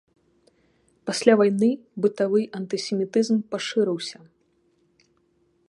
Пасля вайны бытавы антысемітызм пашырыўся.